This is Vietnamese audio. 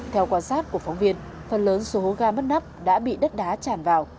theo quan sát của phóng viên phần lớn số hố ga bất nắp đã bị đất đá tràn vào